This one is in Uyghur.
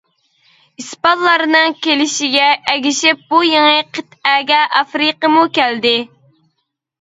ئىسپانلارنىڭ كېلىشىگە ئەگىشىپ بۇ يېڭى قىتئەگە ئافرىقىمۇ كەلدى.